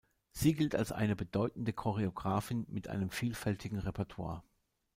Sie gilt als eine bedeutende Choreografin mit einem vielfältigen Repertoire.